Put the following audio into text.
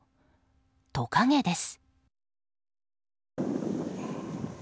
トカゲです。